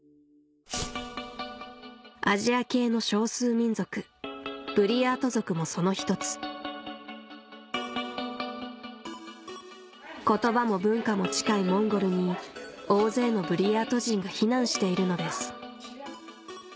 アジア系の少数民族ブリヤート族もその１つ言葉も文化も近いモンゴルに大勢のブリヤート人が避難しているのです